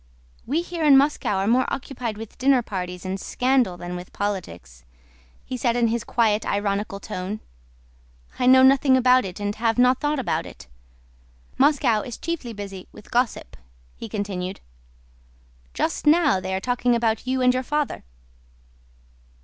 "We here in Moscow are more occupied with dinner parties and scandal than with politics," said he in his quiet ironical tone. "I know nothing about it and have not thought about it. Moscow is chiefly busy with gossip," he continued. "Just now they are talking about you and your father."